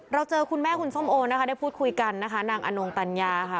เราเจอคุณแม่คุณส้มโอได้พูดคุยกันนะคะ